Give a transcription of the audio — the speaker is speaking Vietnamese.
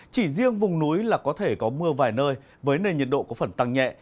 chỉ riêng vùng núi là có thể có mưa vài nơi với nền nhiệt độ có phần tăng nhẹ